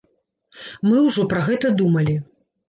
Мы ўжо пра гэта думалі.